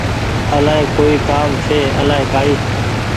آلآئي ڪوئي ڪآم ڇي آلآئي ڪآئي